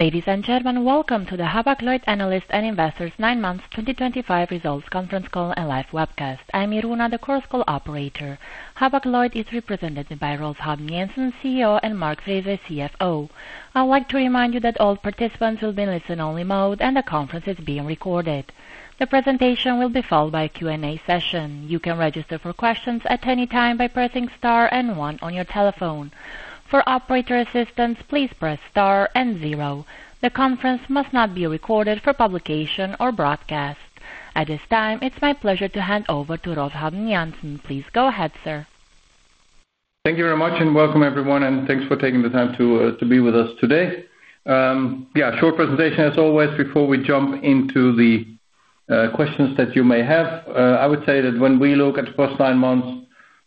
Ladies and gentlemen, welcome to the Hapag-Lloyd Analysts and Investors Nine Months 2025 Results Conference Call and Live Webcast. I'm Iruna, the course call operator. Hapag-Lloyd is represented by Rolf Habben Jansen, CEO, and Mark Frese, CFO. I'd like to remind you that all participants will be in listen-only mode and the conference is being recorded. The presentation will be followed by a Q&A session. You can register for questions at any time by pressing star and one on your telephone. For operator assistance, please press star and zero. The conference must not be recorded for publication or broadcast. At this time, it's my pleasure to hand over to Rolf Habben Jansen. Please go ahead, sir. Thank you very much and welcome, everyone, and thanks for taking the time to be with us today. Yeah, short presentation as always before we jump into the questions that you may have. I would say that when we look at the first nine months,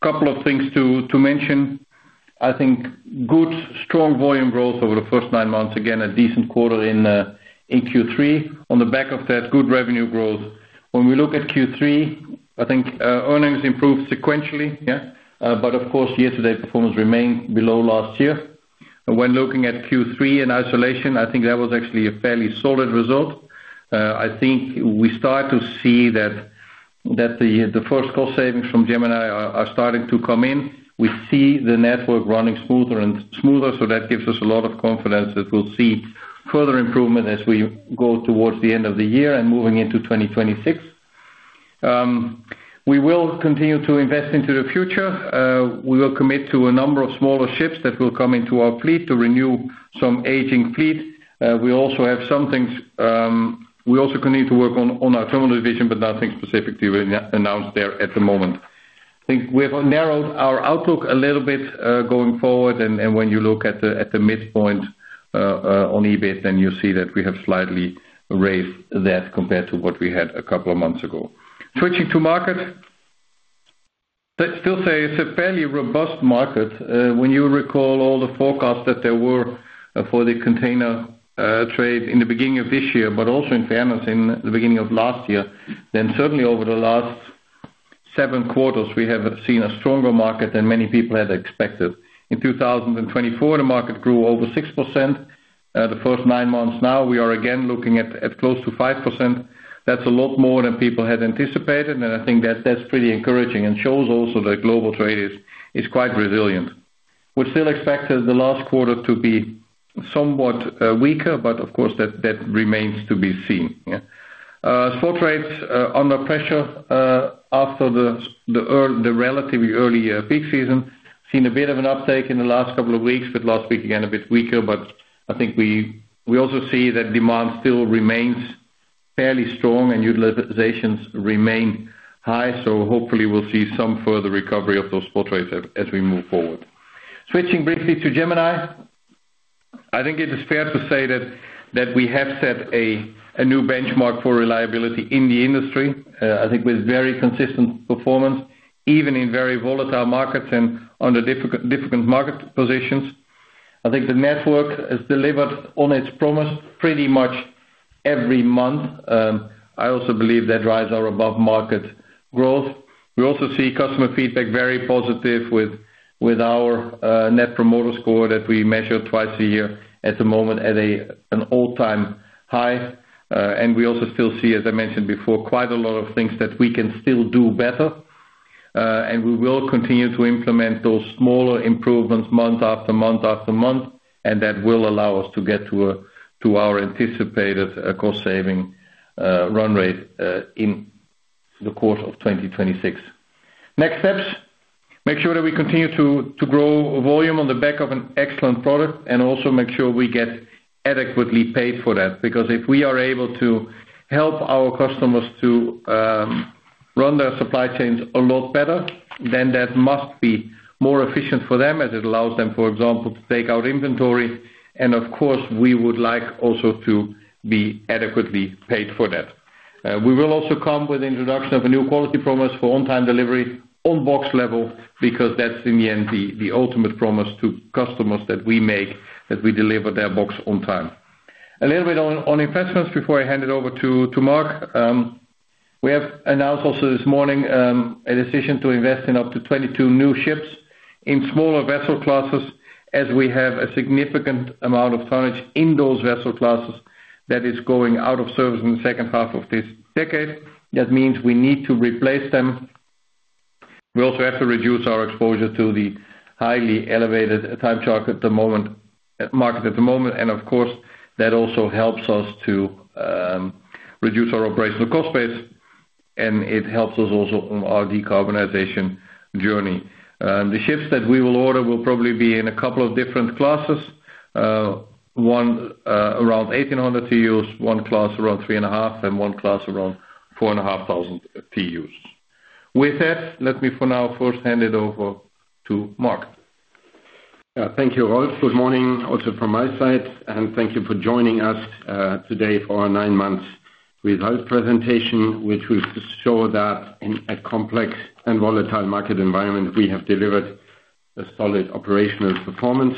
a couple of things to mention. I think good, strong volume growth over the first nine months, again a decent quarter in Q3. On the back of that, good revenue growth. When we look at Q3, I think earnings improved sequentially, yeah, but of course year-to-date performance remained below last year. When looking at Q3 in isolation, I think that was actually a fairly solid result. I think we start to see that the first cost savings from Gemini are starting to come in. We see the network running smoother and smoother, so that gives us a lot of confidence that we'll see further improvement as we go towards the end of the year and moving into 2026. We will continue to invest into the future. We will commit to a number of smaller ships that will come into our fleet to renew some aging fleet. We also have some things we also continue to work on our terminal division, but nothing specifically announced there at the moment. I think we have narrowed our outlook a little bit going forward, and when you look at the midpoint on EBIT, then you see that we have slightly raised that compared to what we had a couple of months ago. Switching to market, still say it's a fairly robust market. When you recall all the forecasts that there were for the container trade in the beginning of this year, but also in fairness in the beginning of last year, then certainly over the last seven quarters we have seen a stronger market than many people had expected. In 2024, the market grew over 6%. The first nine months now, we are again looking at close to 5%. That's a lot more than people had anticipated, and I think that's pretty encouraging and shows also that global trade is quite resilient. We still expect the last quarter to be somewhat weaker, but of course that remains to be seen. Spot trades under pressure after the relatively early peak season. Seen a bit of an uptake in the last couple of weeks, but last week again a bit weaker. I think we also see that demand still remains fairly strong and utilizations remain high, so hopefully we will see some further recovery of those spot trades as we move forward. Switching briefly to Gemini, I think it is fair to say that we have set a new benchmark for reliability in the industry. I think with very consistent performance, even in very volatile markets and under difficult market positions. I think the network has delivered on its promise pretty much every month. I also believe that drives our above-market growth. We also see customer feedback very positive with our Net Promoter Score that we measure twice a year at the moment at an all-time high. We also still see, as I mentioned before, quite a lot of things that we can still do better. We will continue to implement those smaller improvements month after month after month, and that will allow us to get to our anticipated cost-saving run rate in the course of 2026. Next steps, make sure that we continue to grow volume on the back of an excellent product and also make sure we get adequately paid for that. Because if we are able to help our customers to run their supply chains a lot better, then that must be more efficient for them as it allows them, for example, to take out inventory. Of course, we would like also to be adequately paid for that. We will also come with the introduction of a new quality promise for on-time delivery on box level because that is in the end the ultimate promise to customers that we make that we deliver their box on time. A little bit on investments before I hand it over to Mark. We have announced also this morning a decision to invest in up to 22 new ships in smaller vessel classes as we have a significant amount of tonnage in those vessel classes that is going out of service in the second half of this decade. That means we need to replace them. We also have to reduce our exposure to the highly elevated time charter market at the moment. Of course, that also helps us to reduce our operational cost base, and it helps us also on our decarbonization journey. The ships that we will order will probably be in a couple of different classes. One around 1,800 TEUs, one class around 3,500, and one class around 4,500 TEUs. With that, let me for now first hand it over to Mark. Thank you, Rolf. Good morning also from my side, and thank you for joining us today for our nine months result presentation, which will show that in a complex and volatile market environment, we have delivered a solid operational performance.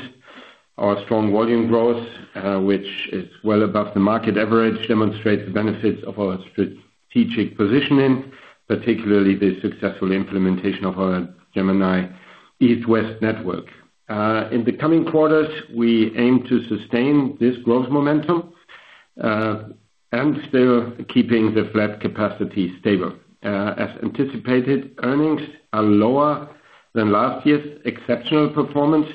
Our strong volume growth, which is well above the market average, demonstrates the benefits of our strategic positioning, particularly the successful implementation of our Gemini East-West network. In the coming quarters, we aim to sustain this growth momentum and still keeping the flat capacity stable. As anticipated, earnings are lower than last year's exceptional performance,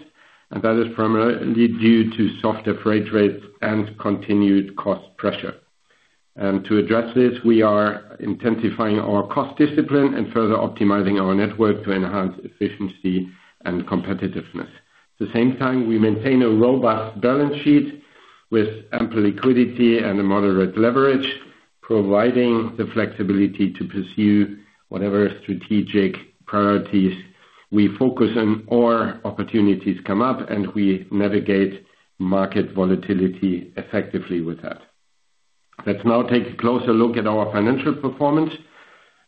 and that is primarily due to softer freight rates and continued cost pressure. To address this, we are intensifying our cost discipline and further optimizing our network to enhance efficiency and competitiveness. At the same time, we maintain a robust balance sheet with ample liquidity and a moderate leverage, providing the flexibility to pursue whatever strategic priorities we focus on or opportunities come up, and we navigate market volatility effectively with that. Let's now take a closer look at our financial performance.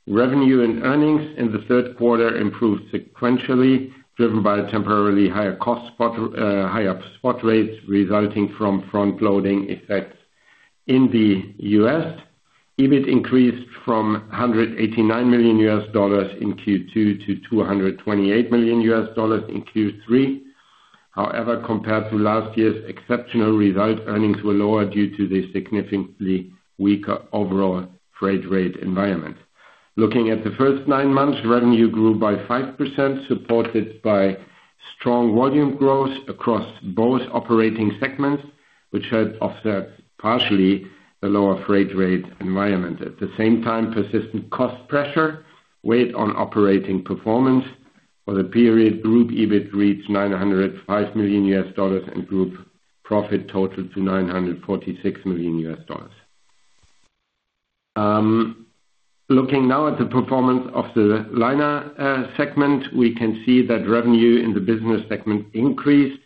Revenue and earnings in the third quarter improved sequentially, driven by temporarily higher spot rates resulting from front-loading effects in the U.S. EBIT increased from $189 million in Q2 to $228 million in Q3. However, compared to last year's exceptional result, earnings were lower due to the significantly weaker overall freight rate environment. Looking at the first nine months, revenue grew by 5%, supported by strong volume growth across both operating segments, which had offset partially the lower freight rate environment. At the same time, persistent cost pressure weighed on operating performance. For the period, group EBIT reached $905 million and group profit total to $946 million. Looking now at the performance of the Liner segment, we can see that revenue in the business segment increased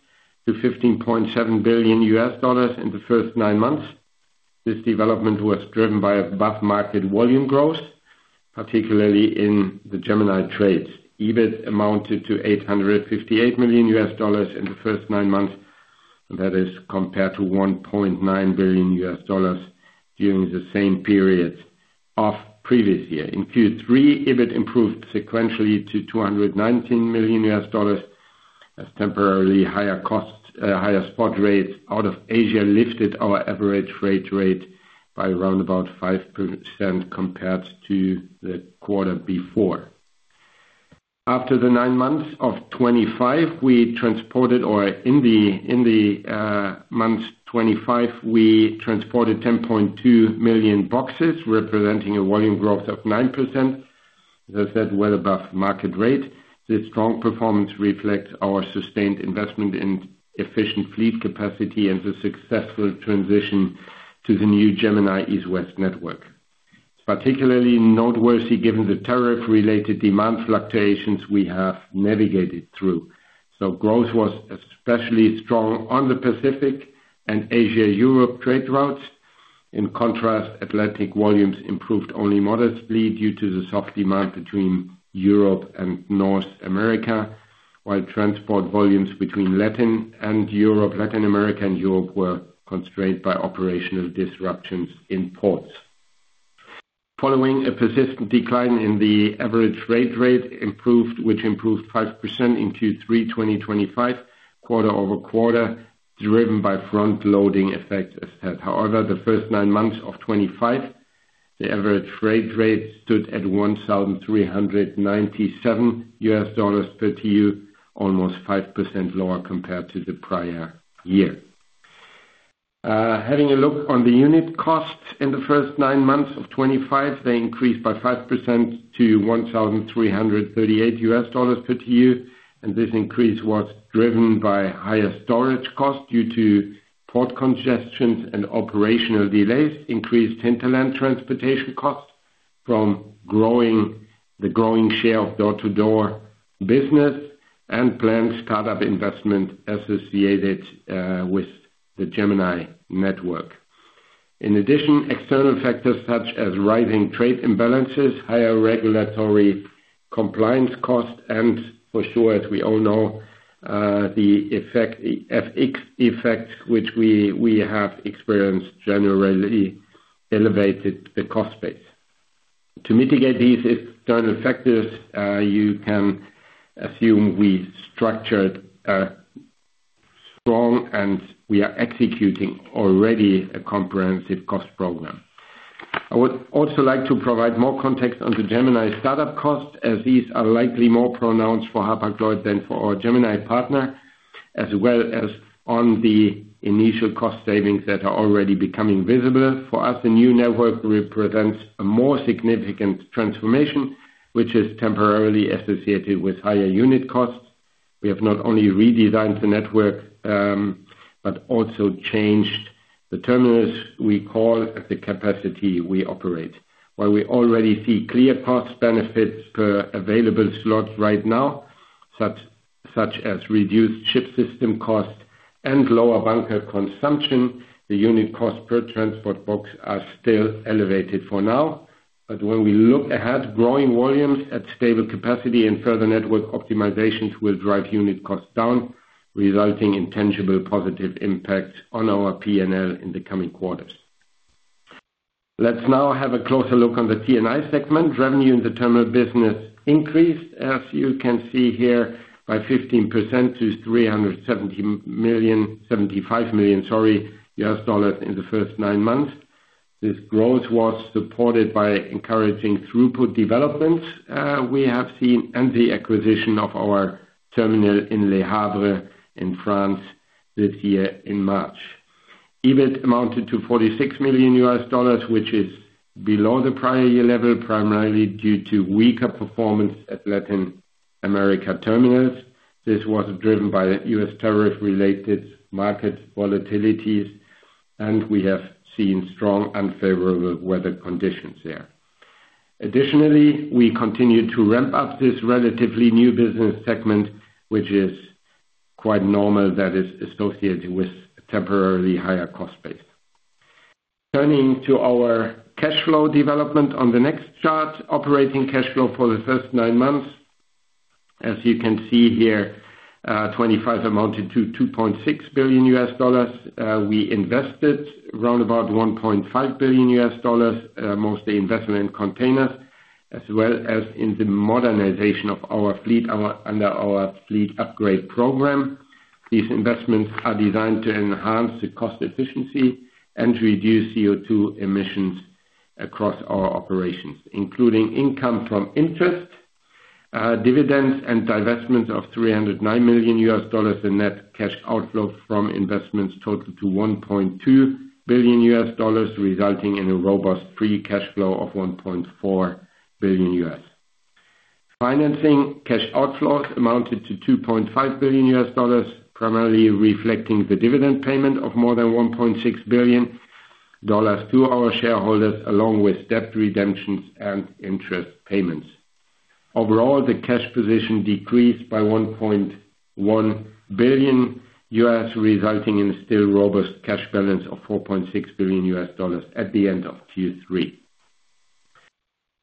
to $15.7 billion in the first nine months. This development was driven by above-market volume growth, particularly in the Gemini trades. EBIT amounted to $858 million in the first nine months, and that is compared to $1.9 billion during the same period of previous year. In Q3, EBIT improved sequentially to $219 million as temporarily higher spot rates out of Asia lifted our average freight rate by around about 5% compared to the quarter before. After the nine months of 2025, we transported or in the months 2025, we transported 10.2 million boxes, representing a volume growth of 9%. As I said, well above market rate. This strong performance reflects our sustained investment in efficient fleet capacity and the successful transition to the new Gemini East-West network. It is particularly noteworthy given the tariff-related demand fluctuations we have navigated through. Growth was especially strong on the Pacific and Asia-Europe trade routes. In contrast, Atlantic volumes improved only modestly due to the soft demand between Europe and North America, while transport volumes between Latin America and Europe were constrained by operational disruptions in ports. Following a persistent decline in the average freight rate, which improved 5% in Q3 2025, quarter-over-quarter, driven by front-loading effect, as said. However, the first nine months of 2025, the average freight rate stood at $1,397 per TEU, almost 5% lower compared to the prior year. Having a look on the unit costs in the first nine months of 2025, they increased by 5% to $1,338 per TEU, and this increase was driven by higher storage costs due to port congestions and operational delays, increased hinterland transportation costs from the growing share of door-to-door business, and planned startup investment associated with the Gemini network. In addition, external factors such as rising trade imbalances, higher regulatory compliance costs, and for sure, as we all know, the FX effect, which we have experienced generally, elevated the cost base. To mitigate these external factors, you can assume we structured strong, and we are executing already a comprehensive cost program. I would also like to provide more context on the Gemini startup costs, as these are likely more pronounced for Hapag-Lloyd than for our Gemini partner, as well as on the initial cost savings that are already becoming visible. For us, the new network represents a more significant transformation, which is temporarily associated with higher unit costs. We have not only redesigned the network, but also changed the terminals we call at, the capacity we operate. While we already see clear cost benefits per available slots right now, such as reduced ship system cost and lower bunker consumption, the unit cost per transport box are still elevated for now. When we look ahead, growing volumes at stable capacity and further network optimizations will drive unit costs down, resulting in tangible positive impacts on our P&L in the coming quarters. Let's now have a closer look on the T&I segment. Revenue in the terminal business increased, as you can see here, by 15% to $375 million, sorry, U.S. dollars in the first nine months. This growth was supported by encouraging throughput developments we have seen and the acquisition of our terminal in Le Havre in France this year in March. EBIT amounted to $46 million, which is below the prior year level, primarily due to weaker performance at Latin America terminals. This was driven by U.S. tariff-related market volatilities, and we have seen strong unfavorable weather conditions there. Additionally, we continue to ramp up this relatively new business segment, which is quite normal that is associated with a temporarily higher cost base. Turning to our cash flow development on the next chart, operating cash flow for the first nine months, as you can see here, 2025 amounted to $2.6 billion. We invested around about $1.5 billion, mostly investment in containers, as well as in the modernization of our fleet under our fleet upgrade program. These investments are designed to enhance the cost efficiency and reduce CO2 emissions across our operations, including income from interest, dividends, and divestments of $309 million in net cash outflow from investments total to $1.2 billion, resulting in a robust free cash flow of $1.4 billion. Financing cash outflows amounted to $2.5 billion, primarily reflecting the dividend payment of more than $1.6 billion to our shareholders, along with debt redemptions and interest payments. Overall, the cash position decreased by $1.1 billion, resulting in a still robust cash balance of $4.6 billion at the end of Q3.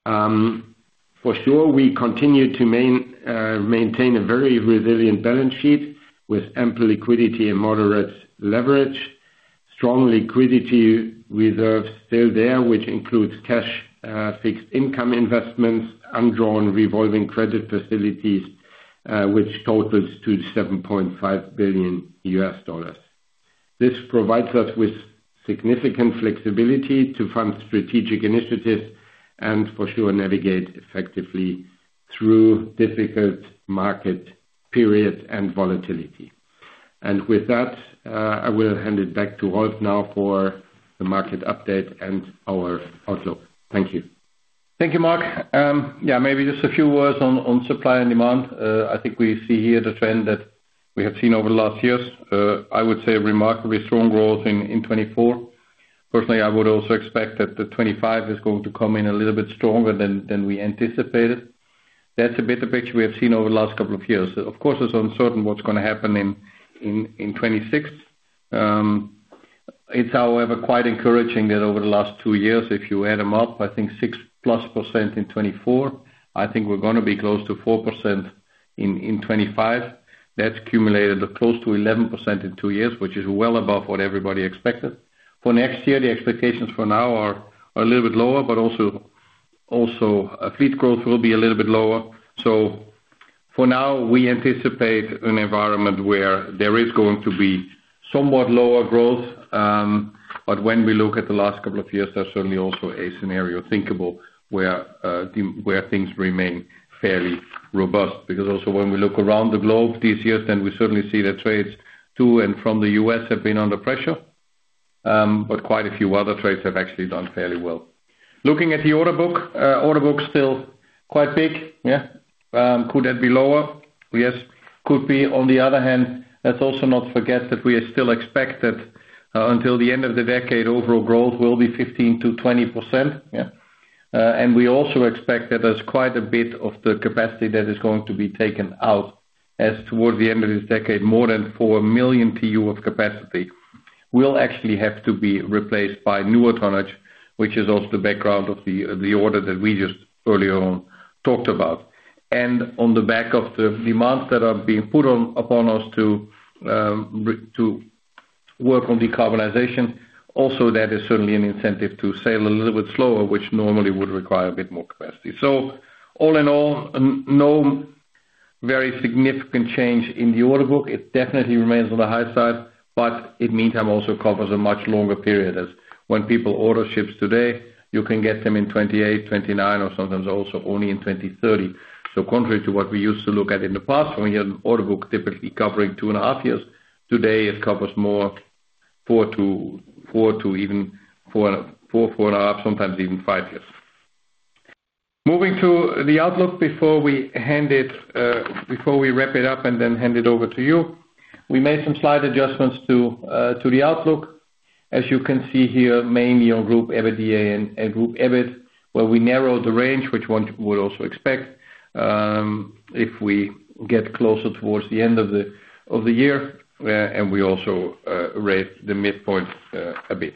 For sure, we continue to maintain a very resilient balance sheet with ample liquidity and moderate leverage. Strong liquidity reserves still there, which includes cash, fixed income investments, undrawn revolving credit facilities, which total to $7.5 billion. This provides us with significant flexibility to fund strategic initiatives and, for sure, navigate effectively through difficult market periods and volatility. With that, I will hand it back to Rolf now for the market update and our outlook. Thank you. Thank you, Mark. Yeah, maybe just a few words on supply and demand. I think we see here the trend that we have seen over the last years. I would say a remarkably strong growth in 2024. Personally, I would also expect that 2025 is going to come in a little bit stronger than we anticipated. That's a bit of a picture we have seen over the last couple of years. Of course, it's uncertain what's going to happen in 2026. It's, however, quite encouraging that over the last two years, if you add them up, I think 6% plus in 2024. I think we're going to be close to 4% in 2025. That's cumulated close to 11% in two years, which is well above what everybody expected. For next year, the expectations for now are a little bit lower, but also fleet growth will be a little bit lower. For now, we anticipate an environment where there is going to be somewhat lower growth. When we look at the last couple of years, there's certainly also a scenario thinkable where things remain fairly robust. Because also when we look around the globe these years, then we certainly see that trades to and from the U.S. have been under pressure, but quite a few other trades have actually done fairly well. Looking at the order book, order book's still quite big. Could that be lower? Yes. Could be. On the other hand, let's also not forget that we still expect that until the end of the decade, overall growth will be 15%-20%. Yeah. We also expect that there is quite a bit of the capacity that is going to be taken out as towards the end of this decade, more than 4 million TEU of capacity will actually have to be replaced by newer tonnage, which is also the background of the order that we just earlier on talked about. On the back of the demands that are being put upon us to work on decarbonization, also that is certainly an incentive to sail a little bit slower, which normally would require a bit more capacity. All in all, no very significant change in the order book. It definitely remains on the high side, but it means I am also covering a much longer period. When people order ships today, you can get them in 2028, 2029, or sometimes also only in 2030. Contrary to what we used to look at in the past, when we had an order book typically covering two and a half years, today it covers more four to even four and a half, sometimes even five years. Moving to the outlook before we wrap it up and then hand it over to you. We made some slight adjustments to the outlook. As you can see here, mainly on Group EBITDA and Group EBIT, where we narrowed the range, which one would also expect if we get closer towards the end of the year, and we also raised the midpoint a bit.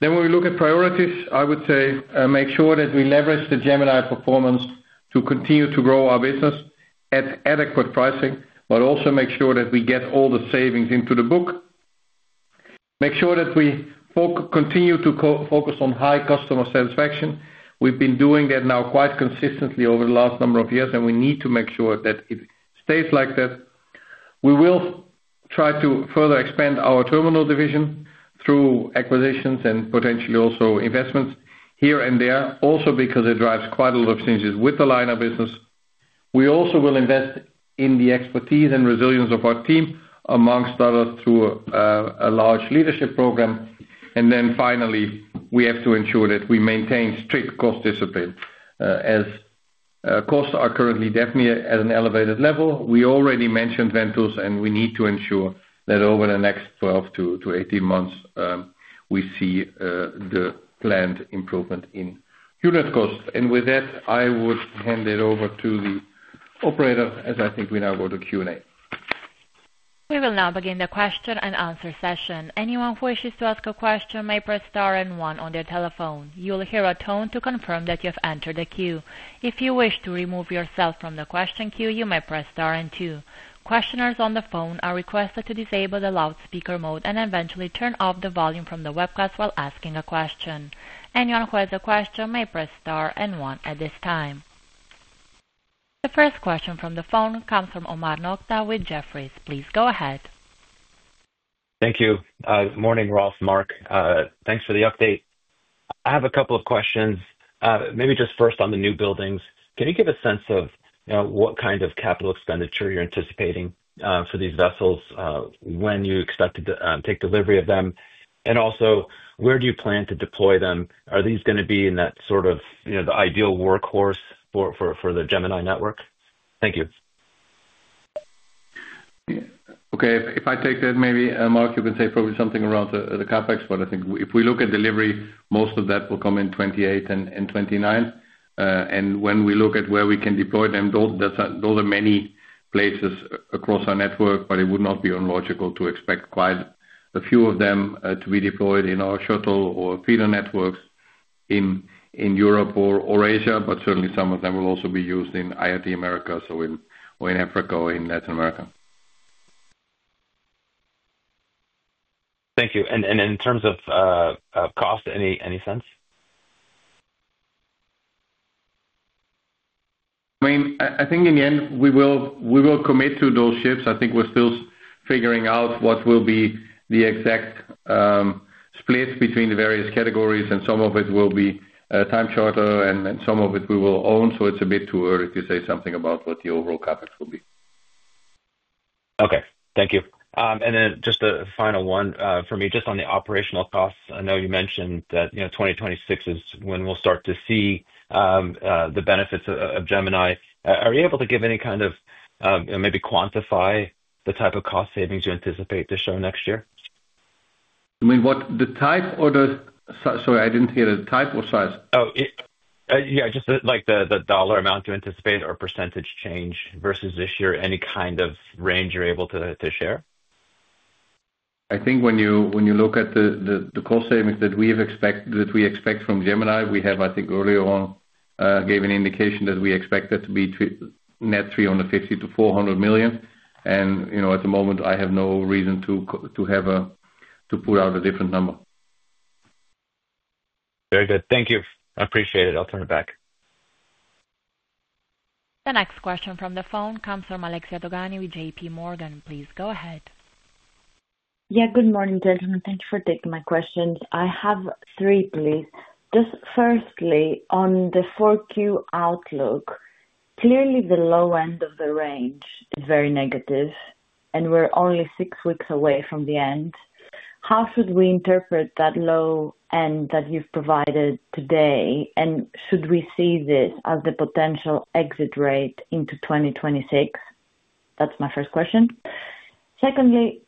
When we look at priorities, I would say make sure that we leverage the Gemini performance to continue to grow our business at adequate pricing, but also make sure that we get all the savings into the book. Make sure that we continue to focus on high customer satisfaction. We've been doing that now quite consistently over the last number of years, and we need to make sure that it stays like that. We will try to further expand our terminal division through acquisitions and potentially also investments here and there, also because it drives quite a lot of changes with the Liner business. We also will invest in the expertise and resilience of our team, amongst others, through a large leadership program. Finally, we have to ensure that we maintain strict cost discipline. As costs are currently definitely at an elevated level, we already mentioned Ventus, and we need to ensure that over the next 12-18 months, we see the planned improvement in unit costs. With that, I would hand it over to the operator, as I think we now go to Q&A. We will now begin the question and answer session. Anyone who wishes to ask a question may press star and one on their telephone. You'll hear a tone to confirm that you have entered the queue. If you wish to remove yourself from the question queue, you may press star and two. Questioners on the phone are requested to disable the loudspeaker mode and eventually turn off the volume from the webcast while asking a question. Anyone who has a question may press star and one at this time. The first question from the phone comes from Omar Nokta with Jefferies. Please go ahead. Thank you. Good morning, Rolf, Mark. Thanks for the update. I have a couple of questions. Maybe just first on the new buildings. Can you give a sense of what kind of capital expenditure you're anticipating for these vessels, when you expect to take delivery of them, and also where do you plan to deploy them? Are these going to be in that sort of the ideal workhorse for the Gemini network? Thank you. Okay. If I take that, maybe Mark you can say probably something around the CapEx, but I think if we look at delivery, most of that will come in 2028 and 2029. If we look at where we can deploy them, those are many places across our network, but it would not be unlogical to expect quite a few of them to be deployed in our shuttle or feeder networks in Europe or Asia, but certainly some of them will also be used in North America, or in Africa, or in Latin America. Thank you. In terms of cost, any sense? I mean, I think in the end, we will commit to those ships. I think we're still figuring out what will be the exact split between the various categories, and some of it will be time charter, and some of it we will own. So it's a bit too early to say something about what the overall CapEx will be. Okay. Thank you. And then just a final one for me, just on the operational costs. I know you mentioned that 2026 is when we'll start to see the benefits of Gemini. Are you able to give any kind of maybe quantify the type of cost savings you anticipate to show next year? I mean, what the type or the, sorry, I didn't hear the type or size. Oh, yeah, just like the dollar amount to anticipate or percentage change versus this year, any kind of range you're able to share? I think when you look at the cost savings that we expect from Gemini, we have, I think earlier on, gave an indication that we expect that to be net $350 million-$400 million. At the moment, I have no reason to put out a different number. Very good. Thank you. I appreciate it. I'll turn it back. The next question from the phone comes from Alexia Dogani with JPMorgan. Please go ahead. Yeah, good morning, gentlemen. Thank you for taking my questions. I have three, please. Just firstly, on the 4Q outlook, clearly the low end of the range is very negative, and we're only six weeks away from the end. How should we interpret that low end that you've provided today, and should we see this as the potential exit rate into 2026? That's my first question. Secondly,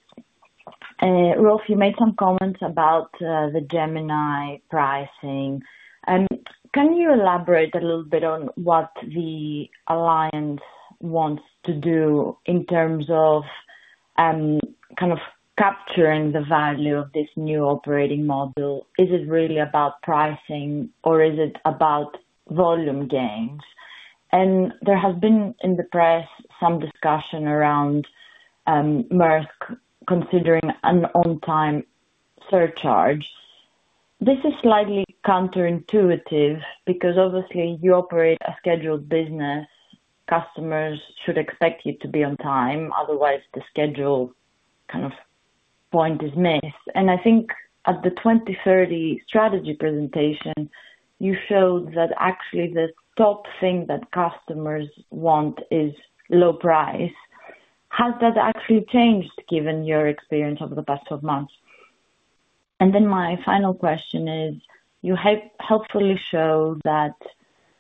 Rolf, you made some comments about the Gemini pricing. Can you elaborate a little bit on what the alliance wants to do in terms of kind of capturing the value of this new operating model? Is it really about pricing, or is it about volume gains? And there has been in the press some discussion around Maersk considering an on-time surcharge. This is slightly counterintuitive because obviously you operate a scheduled business. Customers should expect you to be on time. Otherwise, the schedule kind of point is missed. I think at the 2030 strategy presentation, you showed that actually the top thing that customers want is low price. Has that actually changed given your experience over the past 12 months? My final question is, you helpfully showed that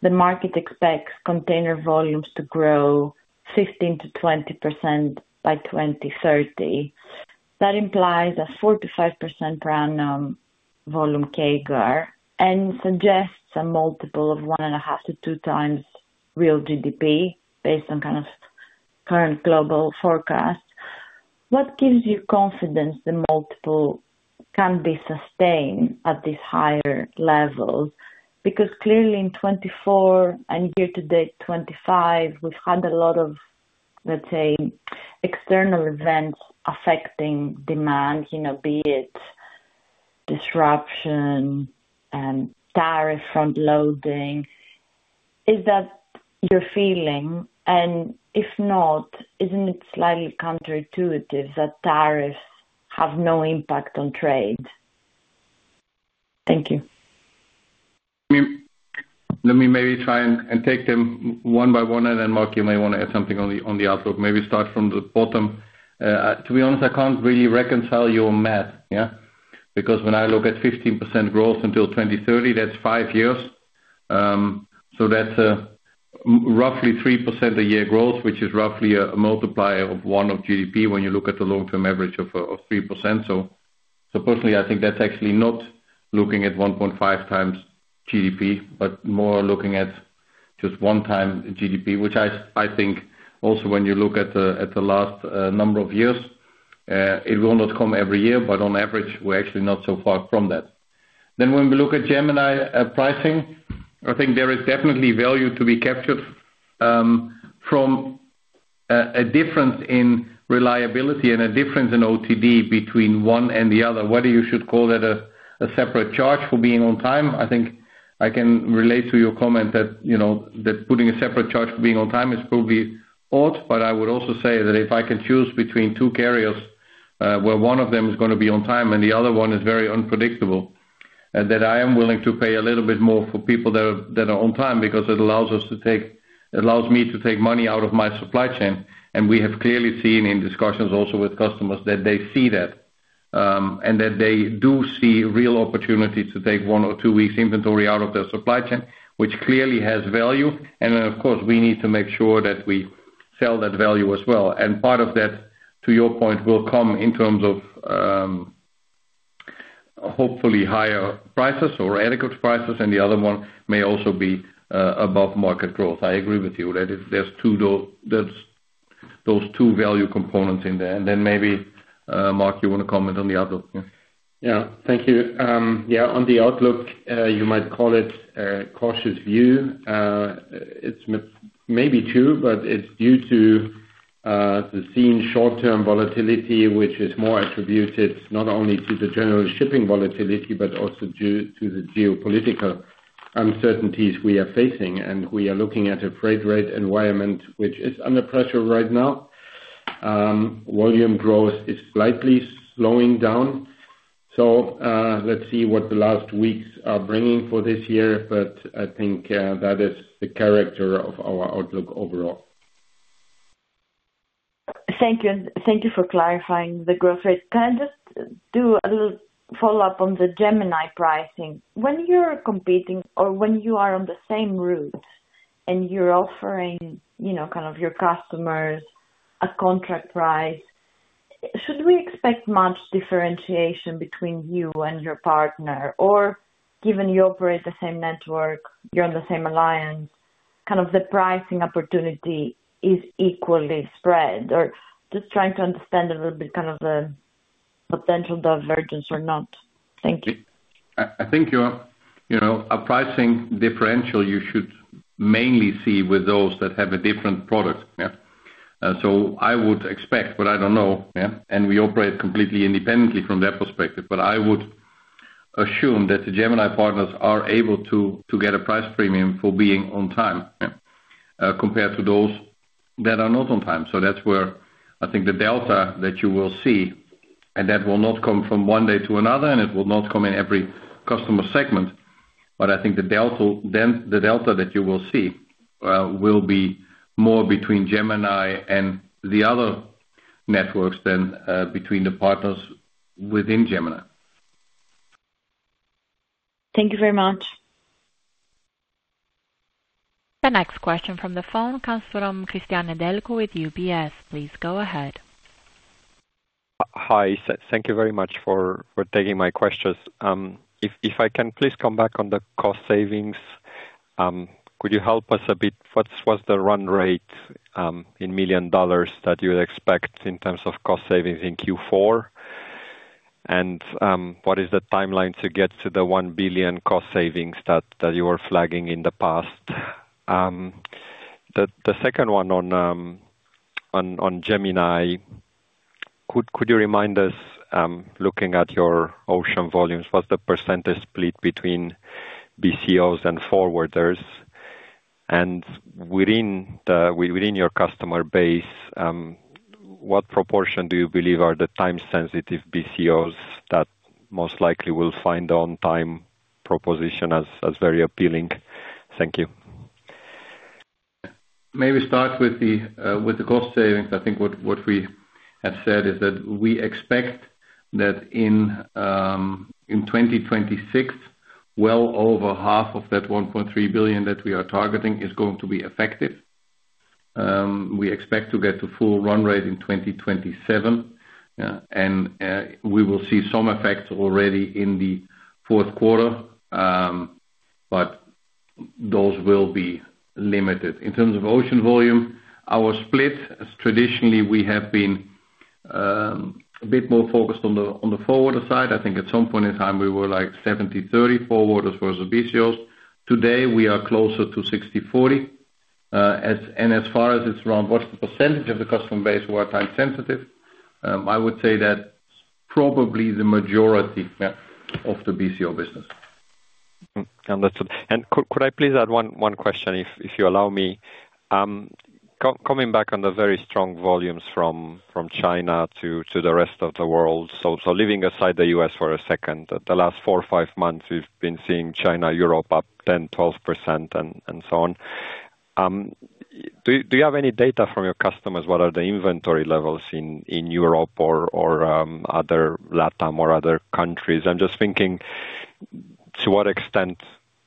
the market expects container volumes to grow 15%-20% by 2030. That implies a 4%-5% per annum volume CAGR and suggests a multiple of one and a half to two times real GDP based on kind of current global forecasts. What gives you confidence the multiple can be sustained at this higher level? Clearly in 2024 and year to date 2025, we've had a lot of, let's say, external events affecting demand, be it disruption and tariff front-loading. Is that your feeling? If not, isn't it slightly counterintuitive that tariffs have no impact on trade? Thank you. Let me maybe try and take them one by one, and then Mark, you may want to add something on the outlook. Maybe start from the bottom. To be honest, I can't really reconcile your math, yeah? Because when I look at 15% growth until 2030, that's five years. So that's roughly 3% a year growth, which is roughly a multiplier of one of GDP when you look at the long-term average of 3%. So personally, I think that's actually not looking at 1.5x GDP, but more looking at just one time GDP, which I think also when you look at the last number of years, it will not come every year, but on average, we're actually not so far from that. When we look at Gemini pricing, I think there is definitely value to be captured from a difference in reliability and a difference in OTD between one and the other, whether you should call that a separate charge for being on time. I think I can relate to your comment that putting a separate charge for being on time is probably odd, but I would also say that if I can choose between two carriers where one of them is going to be on time and the other one is very unpredictable, I am willing to pay a little bit more for people that are on time because it allows me to take money out of my supply chain. We have clearly seen in discussions also with customers that they see that and that they do see real opportunities to take one or two weeks inventory out of their supply chain, which clearly has value. Of course, we need to make sure that we sell that value as well. Part of that, to your point, will come in terms of hopefully higher prices or adequate prices, and the other one may also be above market growth. I agree with you that if there are those two value components in there. Maybe, Mark, you want to comment on the outlook? Yeah. Thank you. Yeah, on the outlook, you might call it a cautious view. It's maybe true, but it's due to the seen short-term volatility, which is more attributed not only to the general shipping volatility, but also due to the geopolitical uncertainties we are facing. We are looking at a freight rate environment, which is under pressure right now. Volume growth is slightly slowing down. Let's see what the last weeks are bringing for this year. I think that is the character of our outlook overall. Thank you. Thank you for clarifying the growth rate. Can I just do a little follow-up on the Gemini pricing? When you're competing or when you are on the same route and you're offering kind of your customers a contract price, should we expect much differentiation between you and your partner? Or given you operate the same network, you're on the same alliance, kind of the pricing opportunity is equally spread? Or just trying to understand a little bit kind of the potential divergence or not. Thank you. I think a pricing differential you should mainly see with those that have a different product. I would expect, but I do not know, and we operate completely independently from that perspective, but I would assume that the Gemini partners are able to get a price premium for being on time compared to those that are not on time. That is where I think the delta that you will see, and that will not come from one day to another, and it will not come in every customer segment. I think the delta that you will see will be more between Gemini and the other networks than between the partners within Gemini. Thank you very much. The next question from the phone comes from Christiane Delko with UBS. Please go ahead. Hi. Thank you very much for taking my questions. If I can, please come back on the cost savings. Could you help us a bit? What was the run rate in million dollars that you expect in terms of cost savings in Q4? What is the timeline to get to the $1 billion cost savings that you were flagging in the past? The second one on Gemini, could you remind us, looking at your ocean volumes, what's the percentage split between BCOs and forwarders? Within your customer base, what proportion do you believe are the time-sensitive BCOs that most likely will find the on-time proposition as very appealing? Thank you. Maybe start with the cost savings. I think what we have said is that we expect that in 2026, well over half of that $1.3 billion that we are targeting is going to be effective. We expect to get to full run rate in 2027, and we will see some effects already in the fourth quarter, but those will be limited. In terms of ocean volume, our split is traditionally we have been a bit more focused on the forwarder side. I think at some point in time, we were like 70/30 forwarders versus BCOs. Today, we are closer to 60/40. As far as it's around what's the percentage of the customer base who are time-sensitive, I would say that's probably the majority of the BCO business. Could I please add one question, if you allow me? Coming back on the very strong volumes from China to the rest of the world, leaving aside the U.S. for a second, the last four or five months, we've been seeing China-Europe up 10%-12%, and so on. Do you have any data from your customers? What are the inventory levels in Europe or other LATAM or other countries? I'm just thinking, to what extent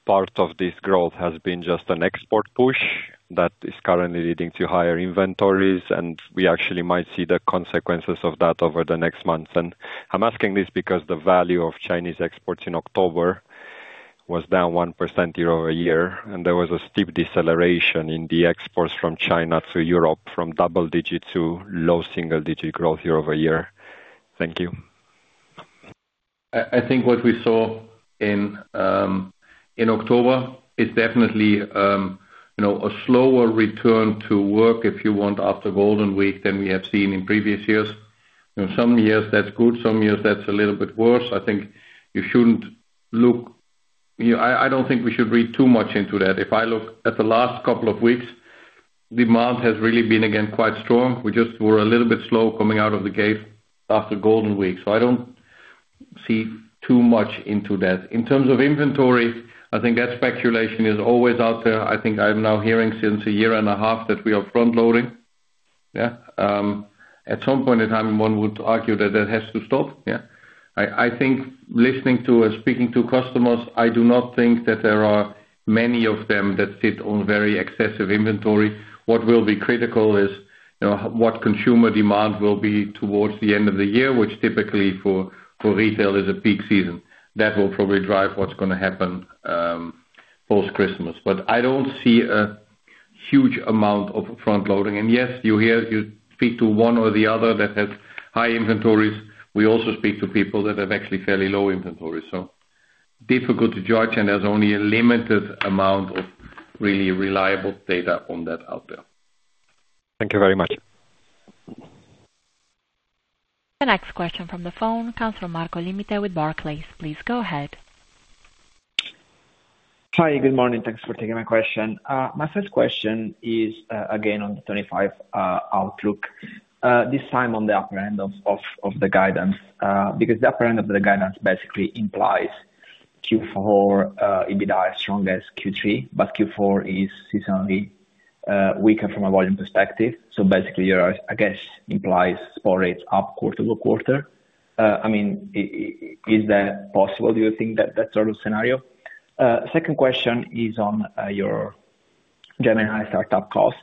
part of this growth has been just an export push that is currently leading to higher inventories, and we actually might see the consequences of that over the next months? I'm asking this because the value of Chinese exports in October was down 1% year-over-year, and there was a steep deceleration in the exports from China to Europe, from double-digit to low single-digit growth year-over-year. Thank you. I think what we saw in October is definitely a slower return to work, if you want, after Golden Week than we have seen in previous years. Some years, that's good. Some years, that's a little bit worse. I think you shouldn't look, I don't think we should read too much into that. If I look at the last couple of weeks, demand has really been, again, quite strong. We just were a little bit slow coming out of the gate after Golden Week. I don't see too much into that. In terms of inventory, I think that speculation is always out there. I think I'm now hearing since a year and a half that we are front-loading. Yeah. At some point in time, one would argue that that has to stop. Yeah. I think listening to and speaking to customers, I do not think that there are many of them that sit on very excessive inventory. What will be critical is what consumer demand will be towards the end of the year, which typically for retail is a peak season. That will probably drive what's going to happen post-Christmas. I don't see a huge amount of front-loading. Yes, you speak to one or the other that has high inventories. We also speak to people that have actually fairly low inventories. Difficult to judge, and there's only a limited amount of really reliable data on that out there. Thank you very much. The next question from the phone comes from Marco Limite with Barclays. Please go ahead. Hi. Good morning. Thanks for taking my question. My first question is again on the 2025 outlook, this time on the upper end of the guidance, because the upper end of the guidance basically implies Q4 EBITDA is as strong as Q3, but Q4 is seasonally weaker from a volume perspective. So basically, I guess implies spot rates up quarter to quarter. I mean, is that possible? Do you think that that sort of scenario? Second question is on your Gemini startup cost.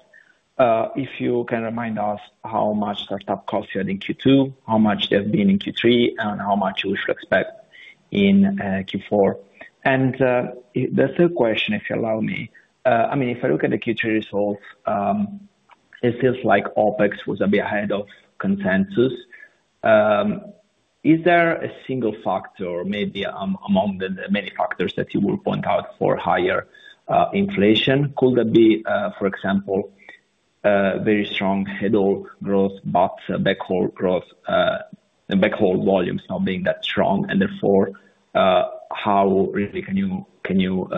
If you can remind us how much startup costs you had in Q2, how much they have been in Q3, and how much you should expect in Q4. And the third question, if you allow me, I mean, if I look at the Q3 results, it feels like OpEx was a bit ahead of consensus. Is there a single factor, maybe among the many factors that you will point out for higher inflation? Could that be, for example, very strong headhaul growth, but backhaul volumes not being that strong? Therefore, how really can you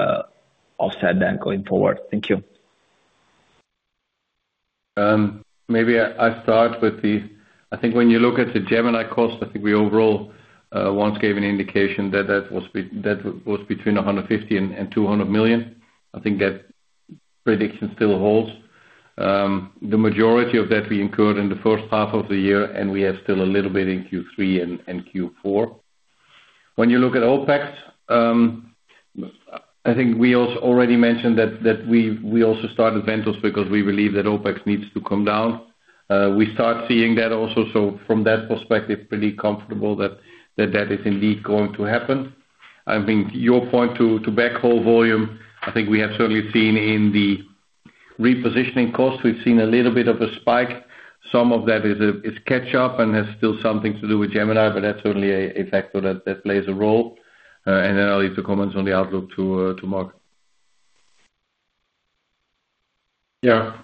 offset that going forward? Thank you. Maybe I start with the I think when you look at the Gemini cost, I think we overall once gave an indication that that was between $150 million and $200 million. I think that prediction still holds. The majority of that we incurred in the first half of the year, and we have still a little bit in Q3 and Q4. When you look at OpEx, I think we also already mentioned that we also started Ventus because we believe that OpEx needs to come down. We start seeing that also. From that perspective, pretty comfortable that that is indeed going to happen. I mean, your point to back-haul volume, I think we have certainly seen in the repositioning costs. We've seen a little bit of a spike. Some of that is catch-up and has still something to do with Gemini, but that's certainly a factor that plays a role. I'll leave the comments on the outlook to Mark. Yeah.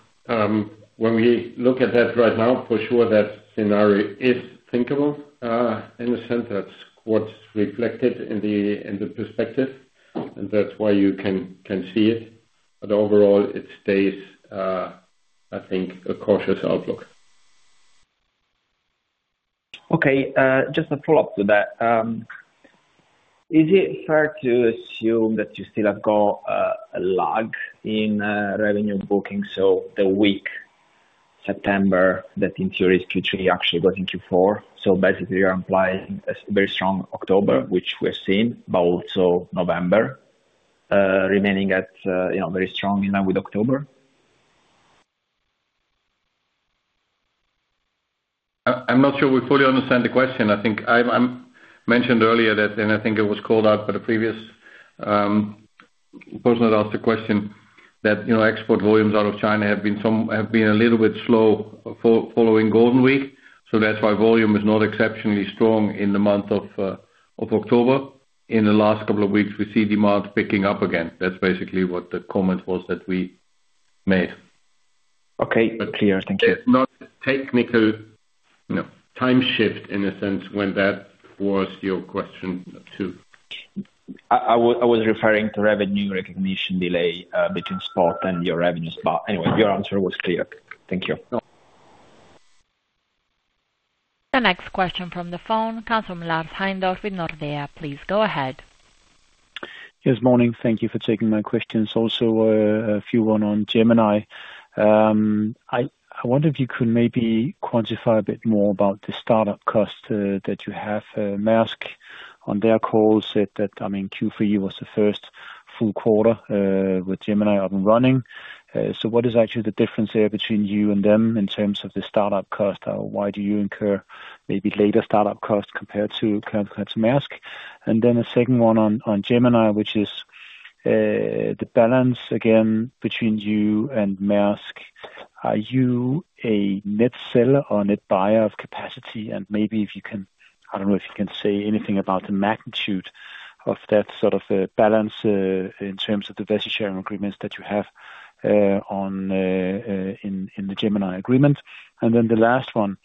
When we look at that right now, for sure, that scenario is thinkable in a sense. That's what's reflected in the perspective, and that's why you can see it. Overall, it stays, I think, a cautious outlook. Okay. Just a follow-up to that. Is it fair to assume that you still have got a lag in revenue booking? So the weak September that in theory is Q3 actually goes into Q4. So basically, you are implying a very strong October, which we are seeing, but also November remaining very strong in line with October? I'm not sure we fully understand the question. I think I mentioned earlier that, and I think it was called out by the previous person that asked the question, that export volumes out of China have been a little bit slow following Golden Week. That's why volume is not exceptionally strong in the month of October. In the last couple of weeks, we see demand picking up again. That's basically what the comment was that we made. Okay. Not clear. Thank you. It's not a technical time shift in a sense when that was your question too. I was referring to revenue recognition delay between spot and your revenues. Anyway, your answer was clear. Thank you. The next question from the phone comes from Lars Heindorff with Nordea. Please go ahead. Yes. Morning. Thank you for taking my questions. Also a few on Gemini. I wonder if you could maybe quantify a bit more about the startup cost that you have. Maersk on their call said that, I mean, Q3 was the first full quarter with Gemini up and running. What is actually the difference there between you and them in terms of the startup cost? Why do you incur maybe later startup cost compared to current customer Maersk? The second one on Gemini, which is the balance again between you and Maersk. Are you a net seller or net buyer of capacity? Maybe if you can, I do not know if you can say anything about the magnitude of that sort of balance in terms of the vested share agreements that you have in the Gemini agreement. The last one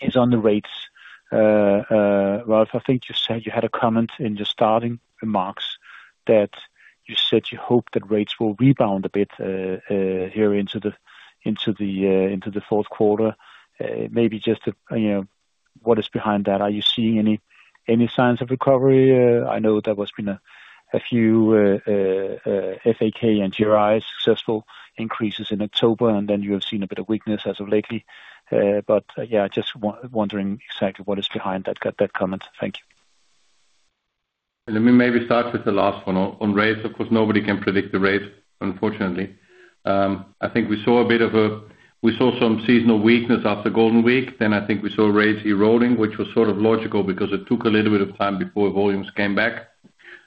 is on the rates. Rolf, I think you said you had a comment in your starting remarks that you said you hope that rates will rebound a bit here into the fourth quarter. Maybe just what is behind that? Are you seeing any signs of recovery? I know there must be a few FAK and GRI successful increases in October, and then you have seen a bit of weakness as of lately. Yeah, just wondering exactly what is behind that comment. Thank you. Let me maybe start with the last one on rates. Of course, nobody can predict the rates, unfortunately. I think we saw a bit of a, we saw some seasonal weakness after Golden Week. I think we saw rates eroding, which was sort of logical because it took a little bit of time before volumes came back.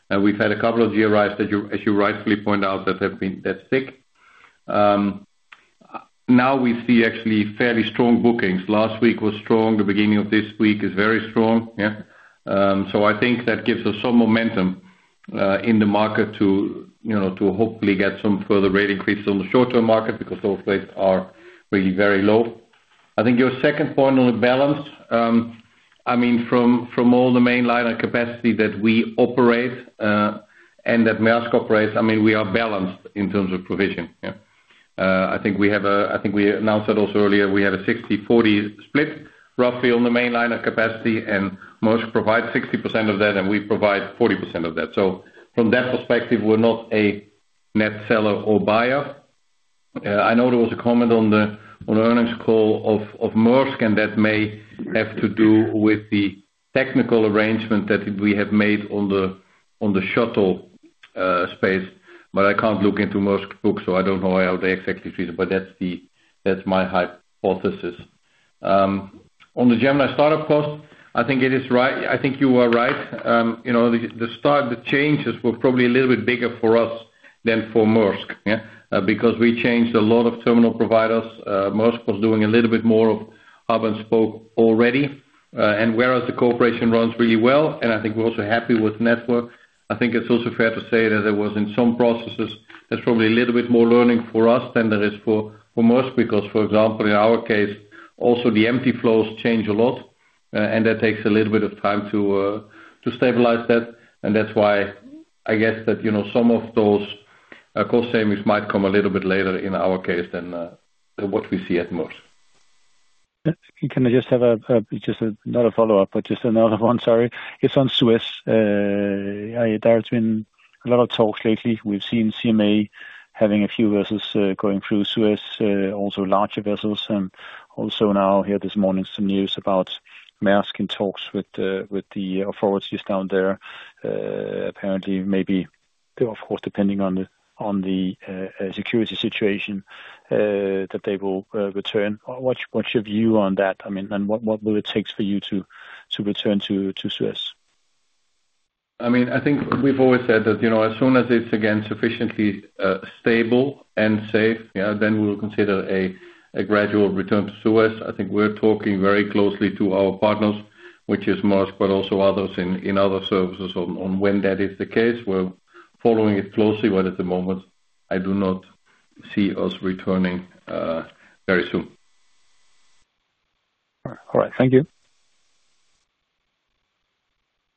We have had a couple of GRIs, as you rightfully point out, that have been that thick. Now we see actually fairly strong bookings. Last week was strong. The beginning of this week is very strong. Yeah. I think that gives us some momentum in the market to hopefully get some further rate increases on the short-term market because those rates are really very low. I think your second point on the balance, I mean, from all the main line of capacity that we operate and that Maersk operates, I mean, we are balanced in terms of provision. Yeah. I think we have a, I think we announced it also earlier. We have a 60/40 split roughly on the main line of capacity, and Maersk provides 60% of that, and we provide 40% of that. From that perspective, we're not a net seller or buyer. I know there was a comment on the earnings call of Maersk, and that may have to do with the technical arrangement that we have made on the shuttle space. I cannot look into Maersk's books, so I do not know how they exactly treat it, but that's my hypothesis. On the Gemini startup cost, I think it is right. I think you are right. The changes were probably a little bit bigger for us than for Maersk because we changed a lot of terminal providers. Maersk was doing a little bit more of hub and spoke already. Whereas the cooperation runs really well, and I think we're also happy with network, I think it's also fair to say that in some processes there's probably a little bit more learning for us than there is for Maersk because, for example, in our case, also the empty flows change a lot, and that takes a little bit of time to stabilize that. That's why I guess that some of those cost savings might come a little bit later in our case than what we see at Maersk. Can I just have, just not a follow-up, but just another one? Sorry. It is on Suez. There have been a lot of talks lately. We have seen CMA having a few vessels going through Suez, also larger vessels. Also now here this morning, some news about Maersk in talks with the authorities down there. Apparently, maybe they are, of course, depending on the security situation, that they will return. What is your view on that? I mean, and what will it take for you to return to Suez? I mean, I think we've always said that as soon as it's again sufficiently stable and safe, then we'll consider a gradual return to Suez. I think we're talking very closely to our partners, which is Maersk, but also others in other services on when that is the case. We're following it closely, but at the moment, I do not see us returning very soon. All right. Thank you.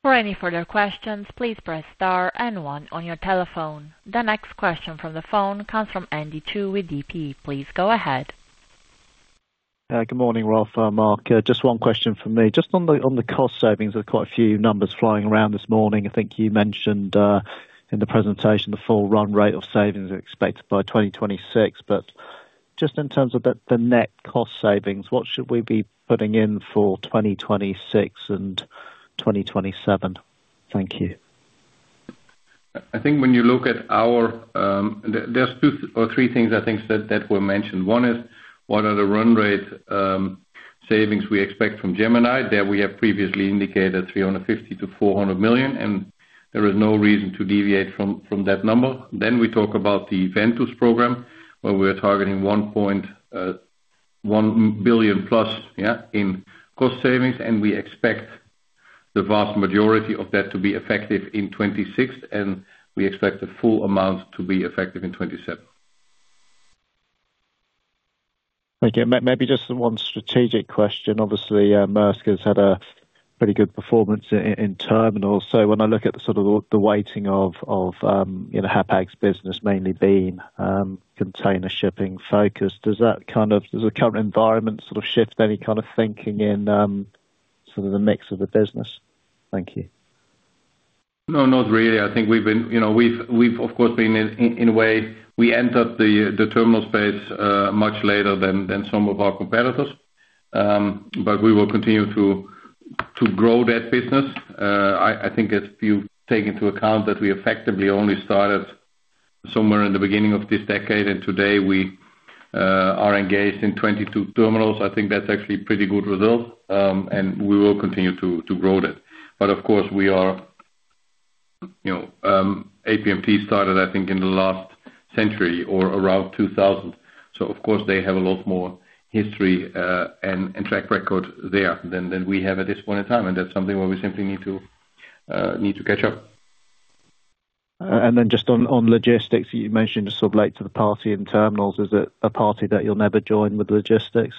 For any further questions, please press star and one on your telephone. The next question from the phone comes from Andy Chu with D.B. Please go ahead. Good morning, Rolf, Mark. Just one question for me. Just on the cost savings, there's quite a few numbers flying around this morning. I think you mentioned in the presentation the full run rate of savings expected by 2026. Just in terms of the net cost savings, what should we be putting in for 2026 and 2027? Thank you. I think when you look at our, there's two or three things I think that were mentioned. One is what are the run rate savings we expect from Gemini. There we have previously indicated $350 million-$400 million, and there is no reason to deviate from that number. Then we talk about the Ventures program, where we are targeting $1 billion plus, yeah, in cost savings. We expect the vast majority of that to be effective in 2026, and we expect the full amount to be effective in 2027. Thank you. Maybe just one strategic question. Obviously, Maersk has had a pretty good performance in terminal. So when I look at sort of the weighting of Hapag's business mainly being container shipping focused, does that kind of, does the current environment sort of shift any kind of thinking in sort of the mix of the business? Thank you. No, not really. I think we've been, of course, been in a way we entered the terminal space much later than some of our competitors. We will continue to grow that business. I think if you take into account that we effectively only started somewhere in the beginning of this decade, and today we are engaged in 22 terminals, I think that's actually a pretty good result. We will continue to grow that. Of course, APMT started, I think, in the last century or around 2000. They have a lot more history and track record there than we have at this point in time. That's something where we simply need to catch up. Just on logistics, you mentioned sort of late to the party in terminals. Is it a party that you'll never join with logistics?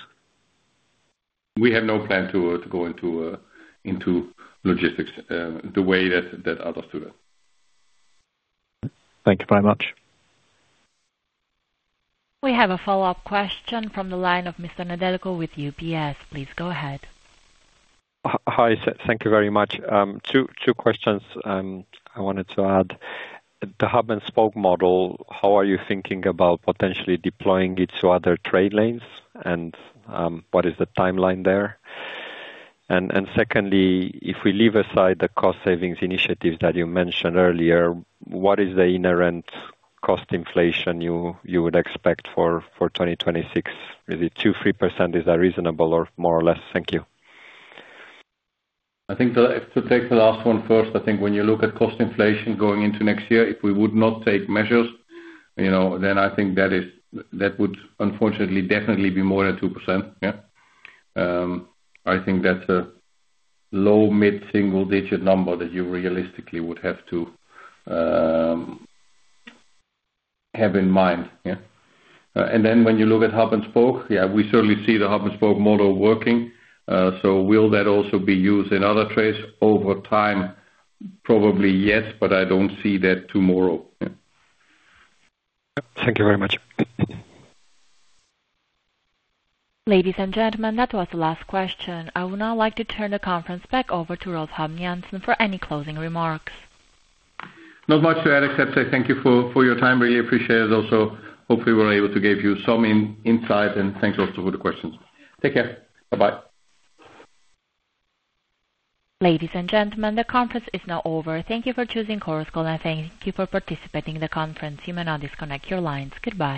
We have no plan to go into logistics the way that others do that. Thank you very much. We have a follow-up question from the line of Mr. Nedelcu with UBS. Please go ahead. Hi. Thank you very much. Two questions I wanted to add. The hub and spoke model, how are you thinking about potentially deploying it to other trade lanes? What is the timeline there? Secondly, if we leave aside the cost savings initiatives that you mentioned earlier, what is the inherent cost inflation you would expect for 2026? Is it 2%-3%? Is that reasonable or more or less? Thank you. I think to take the last one first, I think when you look at cost inflation going into next year, if we would not take measures, then I think that would unfortunately definitely be more than 2%. Yeah. I think that's a low, mid-single-digit number that you realistically would have to have in mind. Yeah. And then when you look at hub and spoke, yeah, we certainly see the hub and spoke model working. So will that also be used in other trades over time? Probably yes, but I don't see that tomorrow. Thank you very much. Ladies and gentlemen, that was the last question. I would now like to turn the conference back over to Rolf Habben Jansen for any closing remarks. Not much to add except say thank you for your time. Really appreciate it. Also, hopefully, we were able to give you some insight. Thanks also for the questions. Take care. Bye-bye. Ladies and gentlemen, the conference is now over. Thank you for choosing Chorus Call, and thank you for participating in the conference. You may now disconnect your lines. Goodbye.